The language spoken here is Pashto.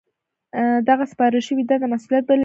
دغه سپارل شوې دنده مسؤلیت بلل کیږي.